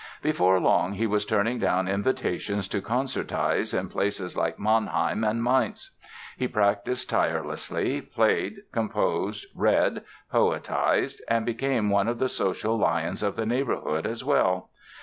Before long he was turning down invitations to concertize in places like Mannheim and Mainz. He practised tirelessly, played, composed, read, "poetized" and became one of the social lions of the neighborhood as well.